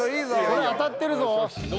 これ当たってるぞ。